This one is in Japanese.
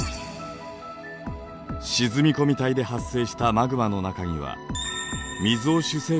沈み込み帯で発生したマグマの中には水を主成分としたガスがとけています。